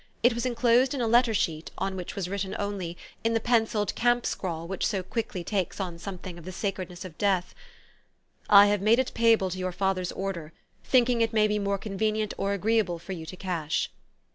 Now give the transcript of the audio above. It was enclosed in a letter sheet, on which was written only, in the pencilled camp scrawl which so quickly takes on something of the sacredness of death, u I have made it paj^able to your father's order, thinking it may be more convenient or agreeable for you to cash."